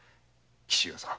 紀州屋さん